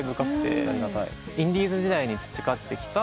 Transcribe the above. インディーズ時代に培ってきた